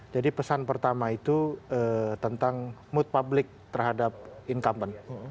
jadi pesan pertama itu tentang mood public terhadap incumbent